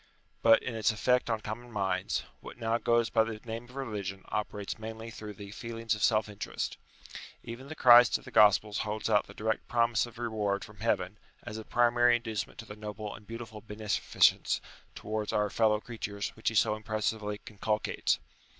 But in its effect on common minds, what now goes by the name of religion operates mainly through the feelings of self interest. Even the Christ of the Gospels holds out the direct promise of reward from heaven as a primary inducement to the noble and beautiful beneficence towards our fellow creatures which he so impressively inculcates.